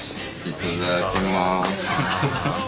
いただきます。